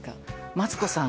マツコさん